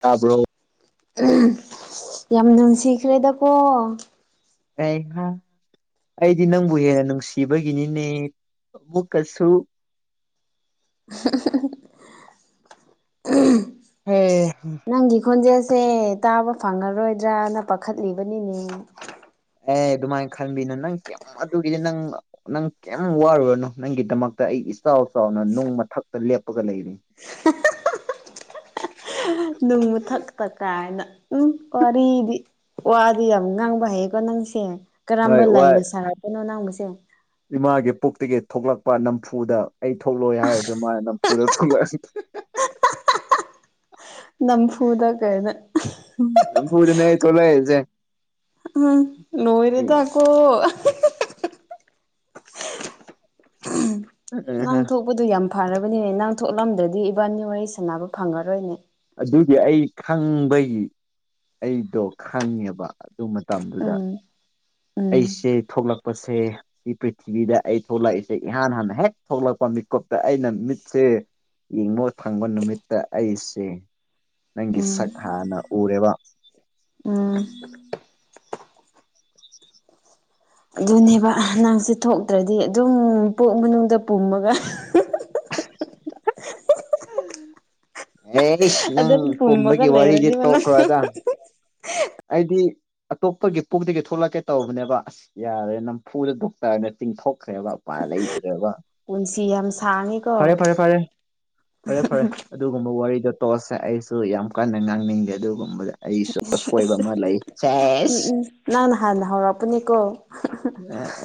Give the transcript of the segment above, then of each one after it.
ꯇꯥ꯭ꯔꯣ ꯌꯥꯝ ꯅꯨꯡꯁꯤꯈ꯭ꯔꯦꯗꯀꯣ ꯀꯩꯍ ꯑꯩꯗꯤ ꯅꯪꯕꯨ ꯍꯦꯟꯅ ꯅꯨꯡꯁꯤꯕꯒꯤꯅꯤꯅꯦ ꯑꯃꯨꯛꯀꯁꯨ ꯍ ꯅꯪꯒꯤ ꯈꯣꯟꯖꯦꯜꯁꯦ ꯇꯥꯕ ꯐꯪꯉꯔꯣꯏꯗ꯭ꯔꯅ ꯄꯥꯈꯠꯂꯤꯕꯅꯤꯅꯦ ꯑꯦ ꯑꯗꯨꯃꯥꯏꯅ ꯈꯟꯕꯤꯅꯣ ꯅꯪ ꯀꯌꯥ ꯑꯗꯨꯒꯤꯗꯤ ꯅꯪ ꯅꯪ ꯀꯩꯝ ꯋꯥꯔꯨꯔꯅꯨ ꯅꯪꯒꯤꯗꯃꯛꯇ ꯑꯩ ꯏꯥꯎ ꯆꯥꯎꯅ ꯅꯨꯡ ꯃꯊꯛꯇ ꯂꯦꯞꯄꯒ ꯂꯩꯔꯤ ꯅꯨꯡ ꯃꯨꯊꯛꯇ ꯀꯥꯏꯅ ꯎꯝ ꯋꯥꯔꯤꯗꯤ ꯑꯣ ꯑꯗꯨ ꯌꯥꯝ ꯉꯥꯡꯕ ꯍꯥꯏꯌꯦꯀꯣ ꯅꯪꯁꯦ ꯀꯔꯝꯕ ꯍꯣꯏ ꯋꯥꯏ ꯂꯥꯏꯅ ꯁꯥꯔꯄꯅꯣ ꯉꯥꯡꯕꯁꯦ ꯏꯃꯥꯒꯤ ꯄꯨꯛꯇꯒꯤ ꯊꯣꯛꯂꯛꯄ ꯅꯝꯐꯨꯗ ꯑꯩ ꯊꯣꯛꯂꯣꯏ ꯍꯥꯏꯔꯁꯨ ꯃꯥ ꯅꯝꯐꯨꯗ ꯊꯣꯛꯂꯛꯑ ꯅꯝꯐꯨꯗ ꯀꯩꯅ ꯄꯨꯔꯤꯅ ꯇꯣꯂ ꯍꯥꯏꯁꯦ ꯎꯝ ꯅꯣꯏꯔꯤꯗꯀꯣ ꯅꯪ ꯊꯣꯛꯄꯗꯨ ꯌꯥꯝ ꯐꯔꯕꯅꯤꯅꯦ ꯅꯪ ꯊꯣꯛꯂꯝꯗ꯭ꯔꯗꯤ ꯏꯕꯥꯅꯤ ꯋꯥꯔꯤ ꯁꯥꯟꯅꯕ ꯐꯪꯉꯔꯣꯏꯅꯦ ꯑꯗꯨꯗꯤ ꯑꯩ ꯈꯪꯕꯒꯤ ꯑꯩꯗꯣ ꯈꯪꯉꯦꯕ ꯑꯗꯨ ꯃꯇꯝꯗꯨꯗ ꯎꯝ ꯎꯝ ꯑꯩꯁꯦ ꯊꯣꯛꯂꯛꯄꯁꯦ ꯁꯤ ꯄ꯭ꯔꯤꯊꯤꯕꯤꯗ ꯑꯩ ꯊꯣꯛꯂꯛꯏꯁꯦ ꯏꯍꯥꯟ ꯍꯥꯟꯅ ꯍꯦꯛ ꯊꯣꯛꯂꯛꯄ ꯃꯤꯠꯀꯨꯞꯇ ꯑꯩꯅ ꯃꯤꯠꯁꯦ ꯌꯦꯡꯕ ꯊꯪꯕ ꯅꯨꯃꯤꯠꯇ ꯑꯩꯁꯦ ꯅꯪꯒꯤ ꯎꯝ ꯁꯛ ꯍꯥꯟꯅ ꯎꯔꯦꯕ ꯎꯝ ꯑꯗꯨꯅꯦꯕ ꯅꯪꯁꯦ ꯊꯣꯛꯇ꯭ꯔꯗꯤ ꯑꯗꯨꯝ ꯄꯣꯛ ꯃꯅꯨꯡꯗ ꯄꯨꯝꯃꯒ [inaudible] ꯑꯦꯁ ꯑꯗꯨ ꯅꯪ ꯑꯗꯨ ꯀꯨꯝꯕꯒ ꯄꯨꯝꯕꯒꯤ ꯋꯥꯔꯤꯗꯤ ꯂꯩꯔꯗꯤ ꯃꯅ ꯇꯣꯛꯈ꯭ꯔꯣꯗ ꯑꯩꯗꯤ ꯑꯇꯣꯞꯄꯒꯤ ꯄꯨꯒꯤ ꯊꯣꯛꯂꯛꯀꯦ ꯇꯧꯔꯕꯅꯦꯕ ꯑꯁ ꯌꯥꯔꯦ ꯅꯝꯐꯨꯗ ꯗꯣꯛꯇꯔꯅ ꯇꯤꯡꯊꯣꯛꯈ꯭ꯔꯦꯕ ꯎꯄꯥ ꯂꯩꯗ꯭ꯔꯦꯕ ꯄꯨꯟꯁꯤ ꯌꯥꯝ ꯁꯥꯡꯉꯤꯀꯣ ꯐꯔꯦ ꯐꯔꯦ ꯑꯗꯨꯒꯨꯝꯕ ꯋꯥꯔꯤꯗꯣ ꯇꯣꯁꯁꯦ ꯑꯩꯁꯨ ꯌꯥꯝ ꯀꯟꯅ ꯉꯥꯡꯅꯤꯡꯗꯦ ꯑꯗꯨꯒꯨꯝꯕꯗ ꯑꯩꯁꯨ ꯀꯕ ꯑꯃ ꯂꯩ ꯁꯦꯁ ꯅꯅ ꯍꯥꯟꯅ ꯍꯥꯎꯔ ꯄꯨꯅꯤ ꯀꯣ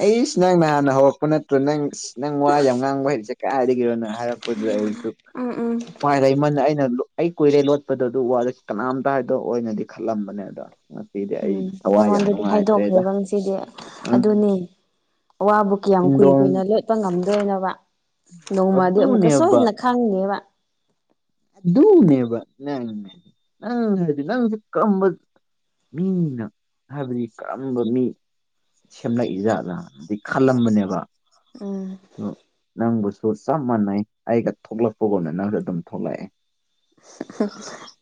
ꯑꯩꯁꯤ ꯅꯪ ꯅꯍꯥꯟꯅ ꯍꯧꯔꯛꯄ ꯅꯠꯇ꯭ꯔꯣ ꯅꯪ ꯅꯪ ꯋꯥ ꯌꯥꯝ ꯉꯥꯡꯕ ꯍꯥꯏꯔꯤꯁꯦ ꯀꯥꯏꯗꯒꯤꯅꯣ ꯍꯥꯏꯔꯛꯄ ꯣꯏꯁꯨ ꯎꯝ ꯎꯝ ꯎ ꯄꯥꯏꯔꯩꯃꯅ ꯑꯩꯅ ꯑꯩ ꯀꯨꯏꯔꯦ ꯂꯣꯠꯄꯗ ꯑꯗꯨ ꯋꯥꯁꯦ ꯀꯅꯥꯝꯇ ꯍꯥꯏꯗꯣ ꯑꯣꯏꯅꯗꯤ ꯈꯜꯂꯝꯕꯅꯦ ꯑꯗ ꯎꯝ ꯑꯩꯉꯣꯟꯗꯗꯤ ꯍꯥꯏꯗꯣꯛꯈ꯭ꯔꯦꯕ ꯁꯤꯗꯤ ꯎꯝ ꯑꯗꯨꯅꯤ ꯑꯋꯥꯕ ꯀꯌꯥꯝ ꯀꯨꯏ ꯆꯤꯟꯗꯣꯡ ꯀꯨꯏꯅ ꯂꯣꯠꯄ ꯉꯝꯗꯣꯏꯅꯣꯕ ꯅꯣꯡꯃꯗꯤ ꯑꯃꯨꯛꯀ ꯑꯗꯨꯅꯦꯕ ꯁꯣꯏꯗꯅ ꯈꯪꯉꯦꯕ ꯅꯦꯕ ꯅꯗꯤ ꯅꯪ ꯍꯥꯏꯗꯤ ꯅꯪꯁꯤ ꯀꯝꯕ ꯃꯤꯅ ꯍꯥꯏꯕꯗꯤ ꯀꯔꯝꯕ ꯃꯤ ꯁꯦꯝꯂꯛꯏ ꯖꯥꯠꯂ ꯑꯩ ꯈꯜꯂꯝꯕꯅꯦꯕ ꯎꯝ ꯑꯗꯨ ꯅꯪꯕꯨꯁꯨ ꯆꯞ ꯃꯥꯟꯅꯩ ꯑꯩꯒ ꯊꯣꯛꯂꯛꯄꯒꯨꯝꯅ ꯅꯪꯁꯨ ꯑꯗꯨꯝ ꯊꯣꯛꯂꯛꯑꯦ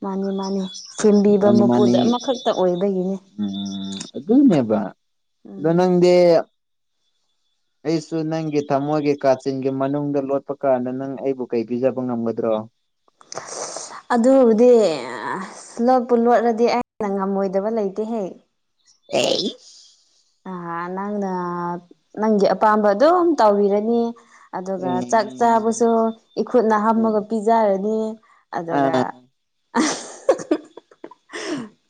ꯃꯥꯅꯤ ꯃꯥꯅꯤ ꯁꯦꯝꯕꯤꯕ ꯃꯥꯅꯤ ꯃꯄꯨꯗ ꯃꯥꯅꯤ ꯑꯃꯈꯛꯇ ꯑꯣꯏꯕꯒꯤꯅꯤ ꯎꯝ ꯑꯗꯨꯅꯦꯦꯕ ꯑꯗꯨꯗ ꯎꯝ ꯅꯪꯗꯤꯦ ꯑꯩꯁꯨ ꯅꯪꯒꯤ ꯊꯃꯣꯏꯒꯤ ꯀꯥꯆꯤꯟꯒꯤ ꯃꯅꯨꯡꯗ ꯂꯣꯠꯄ ꯀꯥꯟꯗ ꯅꯪ ꯑꯩꯕꯨ ꯀꯩ ꯄꯤꯖꯕ ꯉꯝꯒꯗ꯭ꯔꯣ [inaudible] ꯑꯗꯨꯕꯨꯗꯤ ꯂꯣꯠꯄꯨ ꯂꯣꯠꯂꯗꯤ ꯑꯦꯩꯅ ꯉꯝꯃꯣꯏꯗꯕ ꯂꯩꯇꯦꯍꯦꯛ ꯑꯦ ꯑ ꯅꯪꯅ ꯅꯪꯒꯤ ꯑꯄꯥꯝꯕ ꯑꯗꯨꯝ ꯇꯧꯕꯤꯔꯅꯤ ꯑꯗꯨꯒ ꯆꯥꯛ ꯆꯥꯕꯁꯨ ꯏꯈꯨꯠꯅ ꯍꯥꯝꯃꯒ ꯄꯤꯖꯔꯅꯤ ꯑꯗꯨꯒ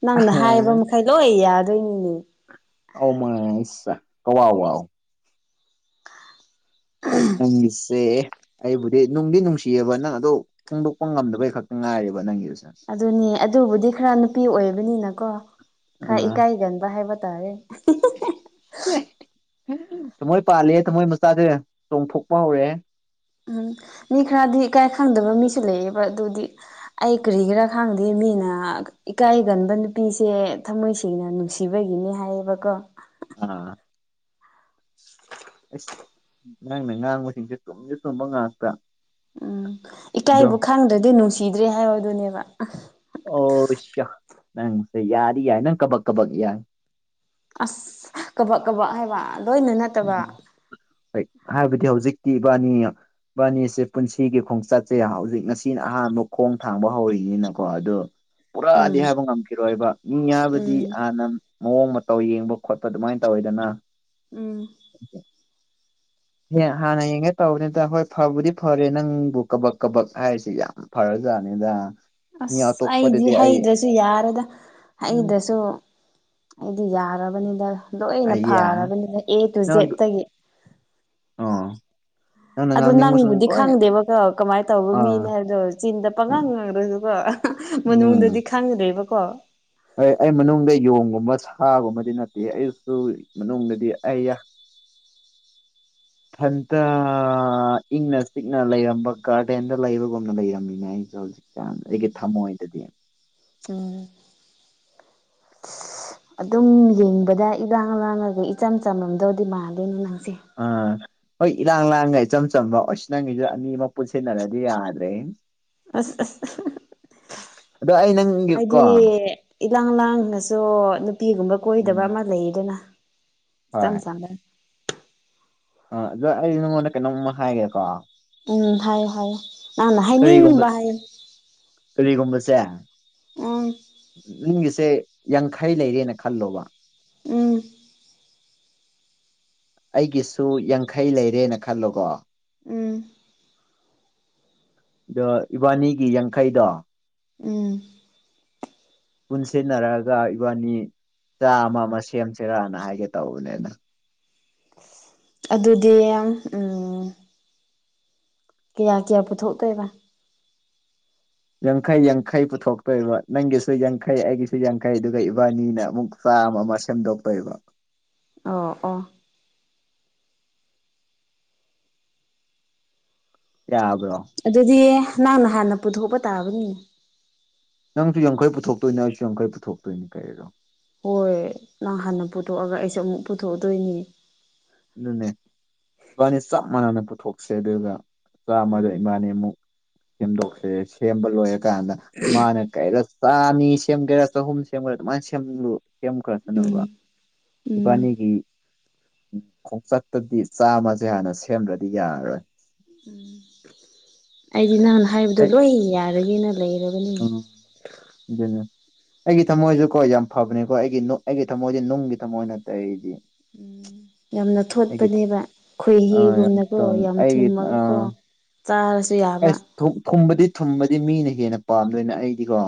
ꯅꯪꯅ ꯍꯥꯏꯕ ꯃꯈꯩ ꯂꯣꯏ ꯌꯥꯗꯣꯏꯅꯤꯅꯦ ꯑꯧ ꯃ ꯀꯋꯥꯕꯎ [inaudible] ꯅꯪꯒꯤꯁꯦ ꯑꯩꯕꯨꯗꯤ ꯅꯨꯡꯗꯤ ꯅꯨꯡꯁꯤꯌꯦꯕ ꯅꯪ ꯑꯗꯣ ꯐꯣꯡꯗꯣꯛꯄ ꯉꯝꯗꯕꯩ ꯈꯛꯇ ꯉꯥꯏꯔꯦꯕ ꯅꯪꯒꯤꯁꯦ ꯑꯗꯨꯅꯦ ꯑꯗꯨꯕꯨꯗꯤ ꯈꯔ ꯅꯨꯄꯤ ꯑꯣꯏꯕꯅꯤꯅꯀꯣ ꯈꯔ ꯑꯥ ꯏꯀꯥꯏꯒꯟꯕ ꯍꯥꯏꯕ ꯇꯔꯦ ꯊꯃꯣꯏ ꯄꯥꯂꯦ ꯊꯃꯣꯏ ꯃꯆꯥꯁꯦ ꯆꯣꯡꯊꯣꯛꯄ ꯍꯧꯔꯛꯑꯦ ꯎꯝ ꯃꯤ ꯈꯔꯗꯤ ꯏꯀꯥꯏ ꯈꯪꯗꯕ ꯃꯤꯁꯨ ꯂꯩꯌꯦꯕ ꯑꯗꯨꯗꯤ ꯑꯩ ꯀꯔꯤꯒꯤꯔꯥ ꯈꯪꯗꯦ ꯃꯤꯅ ꯏꯀꯥꯏꯒꯟꯕ ꯅꯨꯄꯤꯁꯦ ꯊꯝꯃꯣꯏ ꯁꯦꯡꯅ ꯅꯨꯡꯁꯤ ꯁꯤꯕꯒꯤꯅꯤ ꯍꯥꯏꯌꯦꯕꯀꯣ ꯑꯥ [unintelligible] ꯑꯁ ꯅꯪꯅ ꯉꯥꯡꯕꯁꯤꯡꯁꯦ ꯆꯨꯝꯁꯦ ꯆꯨꯝꯕ ꯉꯥꯛꯇ ꯎꯝ ꯑꯗꯣ ꯏꯀꯥꯏꯕꯨ ꯈꯪꯗ꯭ꯔꯗꯤ ꯅꯨꯡꯁꯤꯗ꯭ꯔꯦ ꯍꯥꯏꯕ ꯑꯗꯨꯅꯦꯕ ꯑꯣ [inaudible] ꯅꯪꯁꯦ ꯌꯥꯔ ꯌꯥꯏ ꯅꯪ ꯀꯕꯛ ꯀꯕꯛ ꯌꯥꯏ ꯑꯁ ꯀꯕꯛ ꯀꯕꯛ ꯍꯥꯏꯕ ꯂꯣꯏꯅꯥꯃꯛ ꯎꯝ ꯍꯣꯏ ꯍꯥꯏꯕꯗꯤ ꯍꯧꯖꯤꯛꯇꯤ ꯏꯕꯥꯅꯤ ꯢꯕꯥꯅꯤꯁꯦ ꯄꯨꯟꯁꯤꯒꯤ ꯈꯣꯡꯆꯠꯁꯦ ꯍꯧꯖꯤꯛ ꯉꯁꯤꯅ ꯑꯍꯥꯟꯕ ꯈꯣꯡ ꯊꯥꯡꯕ ꯍꯧꯔꯤꯅꯤꯅꯀꯣ ꯑꯗꯣ ꯄꯨꯔꯥꯗꯤ ꯎꯝ ꯍꯥꯏꯕ ꯉꯝꯈꯤꯔꯣꯏꯕ ꯃꯤ ꯍꯥꯏꯕꯗꯤ ꯎꯝ ꯍꯥꯟꯅ ꯃꯑꯣꯡ ꯃꯇꯧ ꯌꯦꯡꯕ ꯈꯣꯠꯄ ꯑꯗꯨꯃꯥꯏꯅ ꯇꯧꯋꯦꯗꯅ ꯎꯝ ꯍ ꯍꯥꯟꯅ ꯌꯦꯡꯉꯦ ꯇꯧꯕꯅꯤꯗ ꯍꯣꯏ ꯐꯕꯨꯗꯤ ꯐꯔꯦ ꯅꯪꯕꯨ ꯀꯕꯛ ꯀꯕꯛ ꯍꯥꯏꯔꯤꯁꯤ ꯌꯥꯝ ꯐꯔꯖꯠꯅꯤꯗ ꯑꯁ ꯑꯩꯗꯤ ꯍꯩꯗ꯭ꯔꯁꯨ ꯌꯥꯔꯦꯗ ꯎꯝ ꯍꯩꯗꯁꯨ ꯑꯩꯗꯤ ꯌꯥꯔꯕꯅꯤꯗ ꯂꯣꯏꯅ ꯑꯩꯌꯥ ꯐꯔꯕꯅꯤꯗ ꯑꯦ ꯇꯨ ꯅꯪ ꯑꯗꯨ ꯖꯦꯠꯇꯒꯤ ꯑꯣ ꯅꯪꯅ ꯑꯗꯣ ꯉꯥꯡꯅꯤꯡꯕꯁꯨ ꯅꯪꯕꯨꯗꯤ ꯂꯣꯏ ꯈꯪꯗꯦꯕꯀꯣ ꯀꯃꯥꯏꯅ ꯇꯧꯕ ꯃꯤꯅꯦ ꯑꯥ ꯍꯥꯏꯕꯗꯣ ꯆꯤꯟꯗ ꯄꯪꯉꯥꯡ ꯉꯥꯡꯔꯁꯨꯀꯣ ꯃꯅꯨꯡꯗꯗꯤ ꯈꯪꯗ꯭ꯔꯤꯕꯀꯣ ꯍ ꯑꯩ ꯃꯅꯨꯡꯗꯗꯤ ꯌꯣꯡꯒꯨꯝꯕ ꯁꯥꯒꯨꯝꯕꯗꯤ ꯅꯠꯇꯦ ꯑꯩꯁꯨ ꯃꯅꯨꯡꯗꯗꯤ ꯑꯩ [unintelligible] ꯢꯊꯟꯇ ꯏꯪꯅ ꯆꯤꯛꯅ ꯂꯩꯔꯝꯕ ꯒꯥꯔꯗꯦꯟꯗ ꯂꯩꯕꯒꯨꯝꯅ ꯂꯩꯔꯝꯃꯤꯅꯦ ꯑꯩꯁꯦ ꯍꯧꯖꯤꯛ ꯎꯝ [unintelligible] ꯑꯗꯨꯝ ꯌꯦꯡꯕꯗ ꯏꯔꯥꯡ ꯂꯥꯡꯉꯒ ꯏꯆꯝ ꯆꯝꯃꯝꯗꯧꯗꯤ ꯃꯥꯟꯂꯦ ꯅꯪꯁꯦ ꯑꯥ ꯍꯣꯏ ꯏꯔꯥꯡ ꯂꯥꯡꯒꯩ ꯏꯆꯝ ꯆꯝꯕ ꯑꯣꯁ ꯅꯪꯒꯤꯗꯣ ꯑꯅꯤ ꯑꯃ ꯄꯨꯟꯁꯤꯟꯅꯔꯗꯤ ꯌꯥꯗ꯭ꯔꯦ ꯑꯁ ꯑ ꯑꯗꯣ ꯑꯩ ꯍꯥꯏꯗꯤ ꯅꯪꯒꯤꯀꯣ ꯏꯂꯥꯡ ꯂꯥꯡꯂꯒꯁꯨ ꯅꯨꯄꯤꯒꯨꯝꯕ ꯀꯣꯏꯗꯕ ꯎꯝ ꯑꯃ ꯂꯩꯗꯅ ꯏꯆꯝ ꯆꯝꯅ ꯑ ꯑꯗꯣ ꯑꯩ ꯅꯉꯣꯟꯗ ꯀꯩꯅꯣꯝꯃ ꯍꯥꯏꯒꯦꯀꯣ ꯎꯝ ꯍꯥꯏꯌꯣ ꯍꯥꯏꯌꯣ ꯅꯪꯅ ꯀꯔꯤꯒꯨꯝꯕ ꯍꯥꯏꯅꯤꯡꯕ ꯍꯥꯢꯌꯣ ꯀꯔꯤꯒꯨꯝꯕꯁꯦ ꯎꯝ ꯒꯤꯁꯦ ꯌꯥꯡꯈꯩ ꯂꯩꯔꯦꯅ ꯈꯜꯂꯣꯕ ꯎꯝ ꯑꯩꯒꯤꯁꯨ ꯌꯥꯡꯈꯩ ꯂꯩꯔꯦꯅ ꯈꯜꯂꯣꯀꯣ ꯎꯝ ꯏꯕꯥꯅꯤꯒꯤ ꯌꯥꯡꯈꯩꯗ ꯎꯝ ꯄꯨꯟꯁꯤꯟꯅꯔꯒ ꯏꯕꯥꯅꯤ ꯆꯥ ꯑꯃ ꯑꯃ ꯁꯦꯝꯁꯤꯔꯥꯅ ꯍꯥꯏꯒꯦ ꯇꯧꯕꯅꯤꯅ ꯑꯗꯨꯗꯤ ꯌꯥꯝ ꯎꯝ ꯀꯌꯥ ꯀꯌꯥ ꯄꯨꯊꯣꯛꯇꯣꯏꯕ ꯌꯥꯡꯈꯩ ꯌꯥꯡꯈꯩ ꯄꯨꯊꯣꯛꯇꯣꯏꯕ ꯅꯪꯒꯤꯁꯨ ꯌꯥꯡꯈꯩ ꯑꯩꯒꯤꯁꯨ ꯌꯥꯡꯈꯩ ꯑꯗꯨꯒ ꯏꯕꯥꯅꯤꯅ ꯑꯃꯨꯛ ꯁꯥꯃꯃꯁꯝꯗꯣꯄꯩꯕ ꯑꯣ ꯑꯣ ꯌꯥꯕ꯭ꯔꯣ ꯑꯗꯨꯗꯤ ꯅꯪꯅ ꯍꯥꯟꯅ ꯄꯨꯊꯣꯛꯄ ꯇꯥꯕꯅꯤꯅꯦ ꯅꯪꯁꯨ ꯌꯥꯡꯈꯩ ꯄꯨꯊꯣꯛꯇꯣꯏꯅꯦ ꯑꯩꯁꯨ ꯌꯥꯈꯩ ꯄꯨꯊꯣꯛꯇꯣꯏꯅꯤ ꯀꯔꯤꯅꯣ ꯍꯣꯏ ꯅꯪ ꯍꯥꯟꯅ ꯄꯨꯊꯣꯛꯑꯒ ꯑꯩꯁꯦ ꯑꯃꯨꯛ ꯄꯨꯊꯣꯛꯑꯗꯣꯏꯅꯤ ꯑꯗꯨꯅꯦ ꯏꯕꯥꯅꯤ ꯆꯞ ꯃꯥꯟꯅꯅ ꯄꯨꯊꯣꯛꯁꯦ ꯑꯗꯨꯒ ꯆꯥꯝꯃꯗ ꯎꯝ ꯏꯕꯥꯥꯅꯤ ꯑꯃꯨꯛ ꯁꯦꯝꯗꯣꯛꯁꯦ ꯁꯦꯝꯕ ꯂꯣꯏꯔꯀꯥꯟꯗ ꯃꯥꯅ ꯀꯩꯔ ꯆꯥꯅꯤ ꯁꯦꯝꯒꯦꯔꯥ ꯆꯍꯨꯝ ꯁꯦꯝꯒꯦꯔꯥ ꯑꯗꯨꯃꯥꯏꯅ ꯁꯦꯝꯂꯨ ꯁꯦꯝ ꯈꯔ ꯎꯝ ꯆꯠꯟꯅꯅꯕ ꯎꯝ ꯏꯕꯥꯅꯤꯒꯤ ꯈꯣꯡꯆꯠꯇꯗꯤ ꯆꯥꯃꯁꯦ ꯍꯥꯟꯅ ꯁꯦꯝꯗ꯭ꯔꯗꯤ ꯌꯥꯔꯔꯣꯏ ꯎꯝ ꯑꯩꯗꯤ ꯅꯍꯥꯟꯅ ꯍꯥꯏꯕꯗꯣ ꯑꯩ ꯂꯣꯏ ꯌꯥꯔꯒꯦꯅ ꯂꯩꯔꯕ ꯎꯝ ꯑꯗꯨꯅꯦ ꯑꯩꯒꯤ ꯊꯝꯃꯣꯏꯁꯨꯀꯣ ꯌꯥꯝ ꯐꯕꯅꯤꯀꯣ ꯑꯩꯒꯤ ꯑꯩꯒꯤ ꯊꯝꯃꯣꯏꯁꯦ ꯅꯨꯡꯒꯤ ꯊꯝꯃꯣꯏ ꯅꯇꯦ ꯎꯝ [inaudible] ꯌꯥꯝꯅ ꯊꯣꯠꯄꯅꯦꯕ ꯑ ꯌꯥꯝ ꯈꯣꯏꯍꯤꯒꯨꯝꯅꯀꯣ ꯌꯥꯝ ꯑꯩꯒꯤ ꯑ ꯊꯨꯝꯕꯅꯤꯀꯣ ꯆꯥꯔꯁꯨ ꯌꯥꯕ ꯑꯩꯁ ꯊꯨꯝꯕꯗꯤ ꯊꯨꯝꯕꯗꯤ ꯃꯤꯅ ꯍꯦꯟꯅ ꯄꯥꯝꯗꯣꯏꯅ ꯑꯩꯗꯤꯀꯣ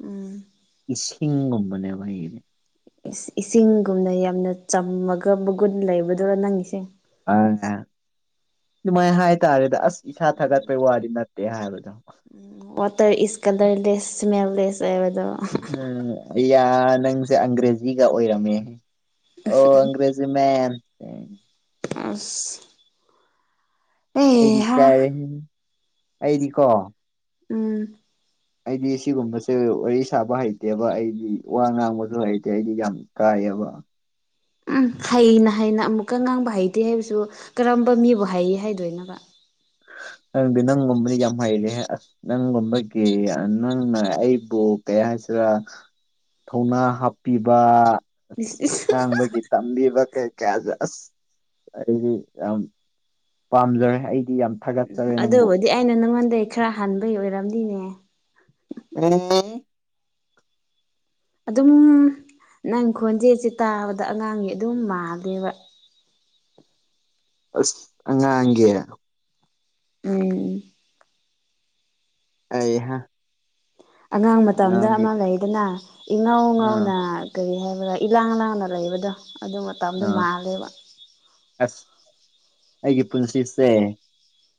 ꯎꯝ [inaudible] ꯏꯁꯤꯡꯒꯨꯝꯕꯅꯦꯕ ꯑꯩꯗꯤ ꯏꯁꯤꯡꯒꯨꯝꯅ ꯌꯥꯝꯅ ꯆꯝꯃꯒ ꯃꯒꯨꯟ ꯂꯩꯕꯗꯨꯔꯥ ꯅꯪ ꯏꯁꯦ ꯑ ꯑꯗꯨꯃꯥꯏꯅ ꯍꯥꯏꯇꯥꯔꯦꯗ ꯑꯁ ꯏꯁꯥ ꯊꯥꯒꯠꯄꯩ ꯋꯥꯗꯤ ꯅꯠꯇꯦ ꯍꯥꯏꯕꯗꯣ ꯋꯥꯇꯔ ꯏꯁꯀꯂꯔ ꯂꯦꯁ ꯏꯁꯃꯦꯜ ꯂꯦꯁ ꯍꯥꯏꯕꯗꯣ ꯎꯝ ꯌꯥ ꯅꯪꯁꯦ ꯑꯪꯒ꯭ꯔꯦꯖꯤꯒ ꯑꯣꯏꯔꯝꯃꯦ ꯑꯣ ꯑꯪ꯭ꯔꯦꯖꯤ ꯃꯟ ꯑꯥꯁ ꯑꯩꯗꯤ ꯀꯔꯦ ꯑꯩꯗꯤꯀꯣ ꯎꯝ ꯑꯩꯗꯤ ꯁꯤꯒꯨꯝꯕꯁꯦ ꯋꯥꯔꯤ ꯁꯥꯕ ꯍꯩꯇꯦꯕ ꯑꯩꯗꯤ ꯋꯥ ꯉꯥꯡꯕꯁꯨ ꯍꯩꯇꯦ ꯑꯩꯗꯤ ꯌꯥꯝ ꯀꯥꯏꯌꯦꯕ ꯎꯝ ꯍꯩꯅ ꯍꯩꯅ ꯑꯃꯨꯛꯀ ꯉꯥꯡꯕ ꯍꯩꯇꯦ ꯍꯥꯏꯕꯁꯨ ꯀꯔꯝꯕ ꯃꯤꯕꯨ ꯍꯩ ꯍꯥꯏꯗꯣꯏꯕ ꯅꯪꯗꯤ ꯅꯪ ꯃꯅꯤ ꯌꯥꯝ ꯍꯥꯏꯔꯦ ꯅꯪꯒꯨꯝꯕꯒꯤ ꯅꯪꯅ ꯑꯩꯕꯨ ꯀꯩ ꯍꯥꯏꯁꯤꯔꯥ ꯊꯧꯅꯥ ꯍꯥꯞꯄꯤꯕ ꯑ ꯉꯥꯡꯕꯒꯤ ꯇꯝꯕꯤꯕ ꯀꯩ ꯀꯌꯥꯁꯦ ꯑꯁ ꯑꯩꯗꯤ ꯌꯥꯝ ꯄꯥꯝꯖꯔꯦ ꯑꯩꯗꯤ ꯌꯥꯝ ꯊꯥꯒꯠꯆꯔꯦ ꯅꯪꯕꯨ ꯑꯗꯨꯕꯨꯗꯤ ꯑꯩꯅ ꯅꯪꯉꯣꯟꯗꯒꯤꯩ ꯈꯔ ꯍꯥꯟꯕꯩ ꯑꯣꯏꯔꯝꯗꯤꯅꯦ ꯑꯦ [inaudible] ꯑꯗꯨꯝ ꯅꯪ ꯈꯣꯟꯖꯦꯁꯦ ꯇꯥꯕꯗ ꯑꯉꯥꯡꯒꯤ ꯑꯗꯨꯝ ꯃꯥꯗꯦꯕ ꯑꯁ ꯑꯉꯥꯡꯒꯤ ꯎꯝ ꯑꯌꯦꯍ ꯑꯉꯥꯡ ꯃꯇꯝꯗ ꯑꯃ ꯂꯩꯗꯅ ꯏꯉꯧ ꯑꯥ ꯉꯧꯅ ꯀꯔꯤ ꯍꯥꯏꯕꯗꯥ ꯏꯂꯥꯡ ꯂꯥꯡꯅ ꯂꯩꯕꯗꯣ ꯑꯗꯨ ꯃꯇꯝꯗꯣ ꯑꯥ ꯃꯥꯜꯂꯦꯕ ꯑꯁ ꯑꯩꯒꯤ ꯄꯨꯟꯁꯤꯁꯦ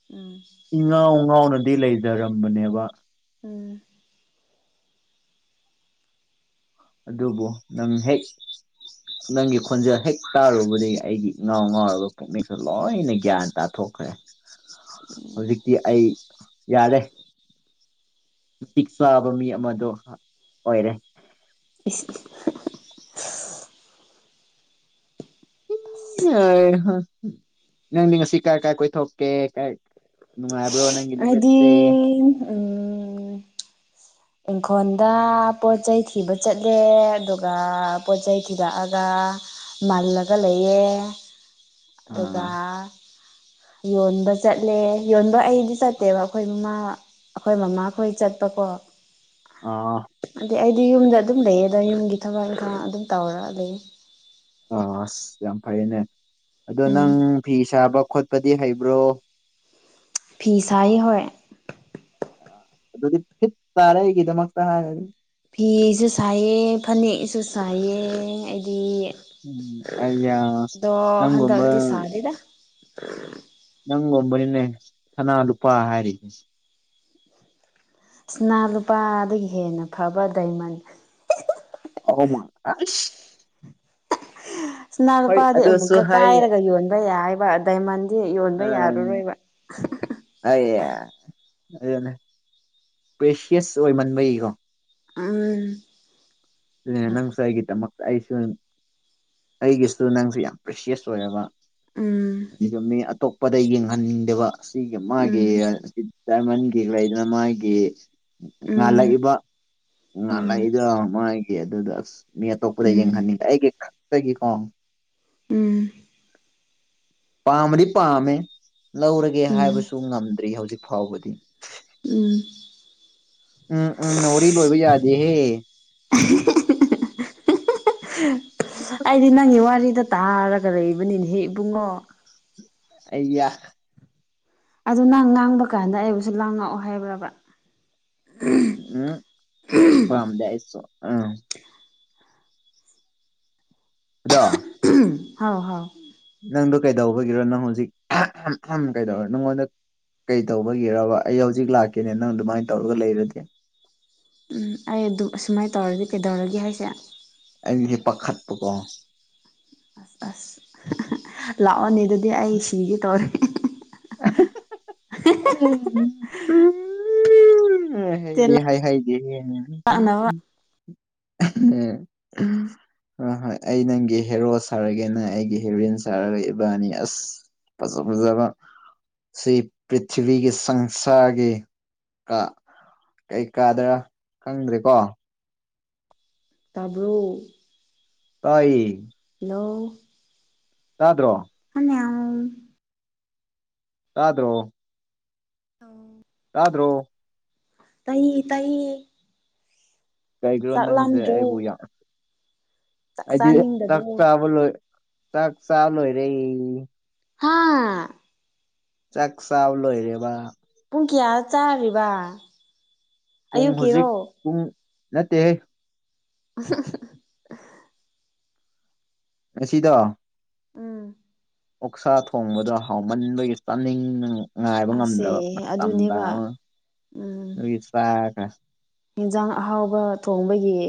ꯎꯝ [inaudible] ꯏꯉꯥꯎ ꯉꯥꯎꯅꯗꯤ ꯂꯩꯖꯔꯝꯕꯅꯦꯕ ꯎꯝ ꯑꯗꯨꯕꯨ ꯅꯪ ꯍꯦꯛ ꯅꯪꯒꯤ ꯈꯣꯟꯖꯦꯜ ꯍꯦꯛ ꯇꯥꯔꯨꯕꯗꯒꯤ ꯑꯩꯒꯤ ꯏꯉꯥꯎ ꯉꯥꯎꯒ ꯄꯨꯛꯅꯤꯡꯁ ꯂꯣꯏꯅ ꯒ꯭ꯌꯥꯟ ꯇꯥꯊꯣꯛꯈ꯭ꯔꯦ ꯍꯧꯖꯤꯛꯇꯤ ꯑꯩ ꯌꯥꯔꯦ ꯃꯇꯤꯛ ꯆꯥꯕ ꯃꯤ ꯑꯃꯁꯣ ꯑꯣꯏꯔꯦ ꯏꯁ ꯏꯁ ꯅꯩ ꯍ ꯅꯪꯗꯤ ꯉꯁꯤ ꯀꯥꯏ ꯀꯥꯏ ꯀꯣꯏꯊꯣꯛꯀꯦ ꯀꯥꯏ ꯅꯨꯡꯉꯥꯏꯕ꯭ꯔꯣ ꯅꯪꯒꯤ ꯑꯩꯗꯤ ꯅꯨꯃꯤꯠꯇꯤ ꯎꯝ ꯏꯪꯈꯣꯟꯗ ꯄꯣꯠꯆꯩ ꯊꯤꯕ ꯆꯠꯂꯦ ꯑꯗꯨꯒ ꯄꯣꯠ ꯆꯩꯩ ꯊꯤꯔꯛꯑꯒ ꯃꯜꯂꯒ ꯂꯩꯌꯦ ꯑꯗꯨꯒ ꯑꯥ ꯌꯣꯟꯕ ꯆꯠꯂꯦ ꯌꯣꯟꯕ ꯑꯩꯗꯤ ꯆꯠꯇꯦꯕ ꯑꯈꯣꯏ ꯃꯃꯥ ꯑꯈꯣꯏ ꯃꯃꯥꯈꯣꯏ ꯆꯠꯄꯀꯣ ꯑꯣ ꯑꯗꯤ ꯑꯩꯗꯤ ꯌꯨꯝꯗ ꯑꯗꯨꯝ ꯂꯩꯌꯦꯗ ꯌꯨꯝꯒꯤ ꯊꯕꯛ ꯏꯪꯈꯥꯡ ꯑꯗꯨꯝ ꯇꯧꯔ ꯂꯩ ꯑꯥ ꯑꯁ ꯌꯥꯝ ꯐꯩꯌꯦꯅꯦ ꯑꯗꯣ ꯎꯝ ꯅꯪ ꯐꯤ ꯁꯥꯕ ꯈꯣꯠꯄꯗꯤ ꯍꯩꯕ꯭ꯔꯣ ꯐꯤ ꯁꯥꯌꯦ ꯍꯣꯏ ꯑꯗꯨꯗꯤ ꯐꯤꯠ ꯇꯥꯔꯦ ꯑꯩꯒꯤꯗꯃꯛꯇ ꯍꯥꯏꯔꯗꯤ ꯐꯤꯁꯨ ꯁꯥꯏꯑꯦ ꯐꯅꯦꯛꯁꯨ ꯁꯥꯏꯌꯦ ꯑꯩꯗꯤ ꯎꯝ ꯑꯩꯌꯥ ꯗꯣ ꯅꯪꯒꯨꯝꯕ ꯍꯟꯗꯛꯇꯤ ꯁꯥꯗꯦꯗ ꯅꯪꯒꯨꯝꯕꯅꯤꯅꯦ ꯁꯅꯥ ꯂꯨꯄꯥ ꯍꯥꯏꯔꯤꯁꯦ ꯁ꯭ꯅꯥ ꯂꯨꯄꯥꯗꯒꯤ ꯍꯦꯟꯅ ꯐꯕ ꯗꯥꯏꯃꯟ ꯑꯧ ꯃꯥ ꯑꯁ ꯁꯅꯥ ꯂꯨꯄꯥꯗꯤ ꯑꯗꯨꯁꯨ ꯑꯃꯨꯛꯀ ꯍꯥꯏ ꯀꯥꯏꯔꯒ ꯌꯣꯟꯕ ꯌꯥꯏꯕ ꯑꯗ ꯗꯥꯏꯃꯟꯗꯤ ꯌꯣꯟꯕ ꯌꯥꯥꯔꯔꯣꯏꯕ ꯑꯩꯌꯥ ꯑꯗꯨꯅꯦ ꯄ꯭ꯔꯦꯁꯤꯌꯁ ꯑꯣꯏꯃꯟꯕꯩꯒꯤꯀꯣ ꯎꯝ ꯗꯨꯨꯅꯦ ꯅꯪꯁꯨ ꯑꯩꯒꯤꯗꯥꯃꯛꯇ ꯑꯩꯁꯨꯟ ꯑꯩꯒꯤꯁꯨ ꯅꯪꯁꯦ ꯌꯥꯝ ꯄ꯭ꯔꯦꯁꯤꯌꯁ ꯑꯣꯏꯔꯕ ꯎꯝ ꯑꯩꯗꯣ ꯃꯤ ꯑꯇꯣꯞꯄꯗ ꯌꯦꯡꯍꯟꯅꯤꯡꯗꯕ ꯁꯤꯒꯤ ꯃꯥꯒꯤ ꯎꯝ [inaudible] ꯗꯥꯏꯃꯟꯒꯤ ꯂꯩꯗꯅ ꯃꯥꯒꯤ ꯎꯝ ꯉꯥꯜꯂꯛꯏꯕ ꯎꯝ ꯉꯥꯜꯂꯛꯏꯗꯣ ꯃꯥꯒꯤ ꯑꯗꯨꯗ ꯑꯁ ꯃꯤ ꯑꯇꯣꯞꯄꯗ ꯎꯝ ꯌꯦꯡꯍꯟꯅꯤꯡꯗꯦ ꯑꯩꯒꯤ ꯈꯛꯇꯒꯤ ꯀꯣ ꯎꯝ ꯄꯥꯝꯕꯗꯤ ꯄꯥꯝꯃꯦ ꯂꯧꯔꯒꯦ ꯎꯝ ꯍꯥꯏꯕꯁꯨ ꯉꯝꯗ꯭ꯔꯤ ꯍꯧꯖꯤꯛ ꯐꯥꯎꯕꯗꯤ ꯎꯝ ꯎꯝ ꯎꯝꯅ ꯋꯥꯔꯤ ꯂꯣꯏꯕ ꯌꯥꯗꯦꯍꯦ [unintelligible] ꯑꯩꯗꯤ ꯅꯪꯒꯤ ꯋꯥꯔꯤꯗꯣ ꯇꯥꯔ ꯒꯂꯩꯕꯅꯤꯅꯦꯍꯦ ꯏꯕꯨꯡꯉꯣ ꯑꯩꯌꯥ ꯑꯗꯨ ꯅꯪ ꯉꯥꯡꯕ ꯀꯥꯟꯗ ꯑꯩꯕꯨꯁꯨ ꯂꯥꯡꯉꯛꯑꯣ ꯍꯥꯏꯕ꯭ꯔꯕ [unintelligible] ꯎꯝ ꯄꯥꯥꯝꯗꯦ ꯑꯩꯁꯨ ꯎꯝ ꯑꯗꯣ [unintelligible] ꯍꯥꯎ ꯍꯥꯎ ꯅꯪꯗꯨ ꯀꯩꯗꯧꯕꯒꯤꯔꯣ ꯅꯪ ꯍꯧꯖꯤꯛ ꯑꯍꯥ ꯑꯍꯝ ꯑꯍꯝ ꯀꯩꯗꯧꯔ ꯅꯪꯉꯣꯟꯗ ꯀꯩ ꯇꯧꯕꯒꯤꯔꯕ ꯑꯩ ꯍꯧꯖꯤꯛ ꯂꯥꯛꯀꯦꯅꯦ ꯅꯪ ꯑꯗꯨꯃꯥꯏꯅ ꯇꯧꯔꯒ ꯂꯩꯔꯗꯤ ꯎꯝ ꯑꯩ ꯑꯗꯨꯝ ꯑꯁꯨꯃꯥꯏ ꯇꯧꯔꯗꯤ ꯀꯩꯗꯧꯔꯒꯦ ꯍꯥꯏꯁꯦ ꯑꯩꯁꯦ ꯄꯥꯈꯠꯄꯀꯣ ꯑꯁ [unintelligible] ꯂꯥꯛꯑꯣꯅꯦ ꯑꯗꯨꯗꯤ ꯑꯩ ꯁꯤꯒꯦ ꯇꯧꯔꯦ [unintelligible] [unintelligible] ꯎ ꯆꯦ ꯍꯩ ꯍꯥꯏꯍꯩꯗꯦ ꯍꯦ ꯅꯪ ꯂꯥꯛꯅꯕ [inaudible] [unintelligible] ꯍꯣ ꯍꯣꯏ ꯑꯩ ꯅꯪꯒꯤ ꯍꯦꯔꯣ ꯁꯥꯔꯒꯦ ꯅꯪ ꯑꯩꯒꯤ ꯍꯦꯔꯣꯏꯟ ꯁꯥꯔꯒ ꯏꯕꯥꯟꯅꯤ ꯑꯁ ꯐꯖ ꯐꯖꯕ ꯁꯤꯞ ꯄ꯭ꯔꯤꯊꯤꯕꯤꯒꯤ ꯁꯪꯁꯥꯔꯒꯤ ꯀ ꯀꯩꯀꯥꯗ꯭ꯔ ꯈꯪꯗ꯭ꯔꯦꯀꯣ ꯇꯥꯕ꯭ꯔꯣ ꯇꯏ ꯍꯜꯂꯣ ꯇꯥꯗ꯭ꯔꯣ ꯑ ꯑ꯭ꯔꯣ ꯑꯥꯎ ꯌꯥ꯭ꯔꯣ ꯇꯏ ꯇꯏ ꯀꯩꯒꯤ꯭ꯔꯣ ꯅꯪꯁꯦ ꯂꯥꯝꯗ꯭ꯔꯣ ꯑꯩꯕꯨ ꯌꯥꯝ ꯆꯥꯛ ꯍꯥꯏꯗꯤ ꯆꯥꯛ ꯆꯥꯅꯤꯡꯗꯕ꯭ꯔꯣ ꯆꯥꯕ ꯂꯣꯏ ꯆꯥꯛ ꯆꯥꯂꯨꯣꯏꯔꯦ ꯍꯥꯥ ꯆꯥꯛ ꯆ ꯂꯣꯏꯔꯦꯕ ꯄꯨꯡ ꯀꯌꯥ ꯆꯥꯔꯤꯕ ꯄꯨꯡ ꯍꯧꯖꯤꯛ ꯑꯌꯨꯛꯀꯤꯔꯣ ꯄꯨꯡ ꯅꯠꯇꯦ [unintelligible] ꯑꯁꯤꯗ ꯎꯝ ꯑꯣꯛꯁꯥ ꯊꯣꯡꯕꯗ ꯍꯥꯎꯃꯟꯕꯒꯤ ꯆꯥꯅꯤꯡ ꯉꯥꯏꯕ ꯑꯁꯦ ꯉꯝꯗ꯭ꯔꯕ ꯃꯇꯝꯗ ꯑꯗꯨꯅꯦꯕ ꯑꯃ ꯅꯣꯏꯒꯤ ꯆ ꯏꯟꯖꯥꯡ ꯑꯍꯥꯎꯕ ꯊꯣꯡꯕꯒꯤ